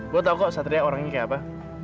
gue tau kok satria orangnya kayak apa